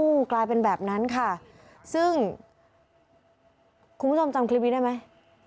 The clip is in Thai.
กลายเป็นแบบนั้นค่ะซึ่งคุณผู้ชมจำคลิปนี้ได้ไหม